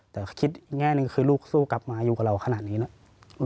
แต่คิดอีกแง่หนึ่งคือลูกสู้กลับมาอยู่กับเราขนาดนี้นะ